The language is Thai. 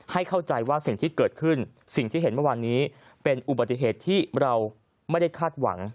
เข้าใจว่าสิ่งที่เกิดขึ้นสิ่งที่เห็นเมื่อวานนี้เป็นอุบัติเหตุที่เราไม่ได้คาดหวัง